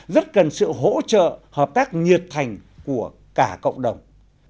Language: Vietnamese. rất cần sự hỗ trợ hợp tác nhiệt thành của cả cộng đồng